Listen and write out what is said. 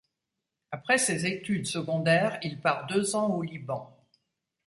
Après ses études secondaires il part deux ans au Liban.